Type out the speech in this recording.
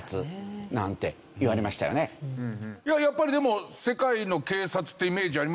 やっぱりでも世界の警察ってイメージありましたね。